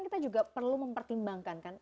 tapi islam juga perlu mempertimbangkan kan